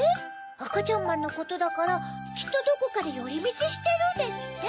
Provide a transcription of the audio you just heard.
「あかちゃんまんのことだからきっとどこかでよりみちしてる」ですって？